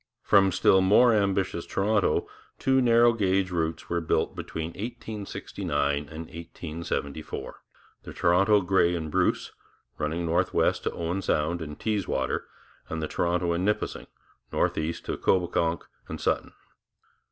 From still more ambitious Toronto two narrow gauge routes were built between 1869 and 1874 the Toronto, Grey and Bruce running northwest to Owen Sound and Teeswater, and the Toronto and Nipissing northeast to Coboconk and Sutton.